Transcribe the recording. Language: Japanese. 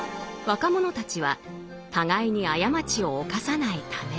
若者たちは互いに過ちを犯さないため。